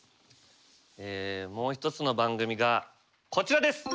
もう一つの番組がこちらです。